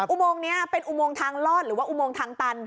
อุโมงนี้เป็นอุโมงทางลอดหรือว่าอุโมงทางตัน